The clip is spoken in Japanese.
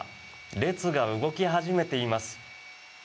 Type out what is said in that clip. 列が動き始めています。